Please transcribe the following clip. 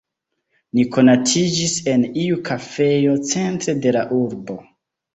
Ni konatiĝis en iu kafejo centre de la urbo.